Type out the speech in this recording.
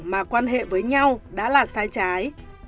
mà quan hệ với nhau đã là sai trái